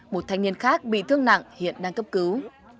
một thanh niên khác bị thương nặng hiện đang cấp cứu